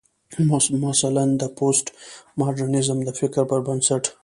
مثلا: د پوسټ ماډرنيزم د فکر پر بنسټ